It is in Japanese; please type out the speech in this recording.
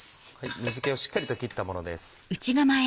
水気をしっかりと切ったものです。